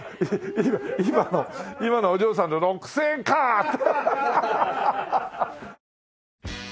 今の今のお嬢さんの「６０００円か」って。